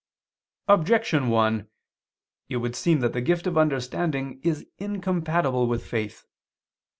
Objection 1: It would seem that the gift of understanding is incompatible with faith.